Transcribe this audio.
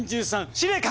司令官！